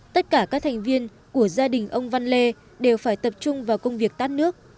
tất cả các thành viên của gia đình ông văn lê đều phải tập trung vào công việc tát nước